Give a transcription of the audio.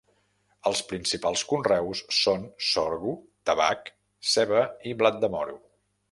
Els principals conreus són sorgo, tabac, ceba i blat de moro.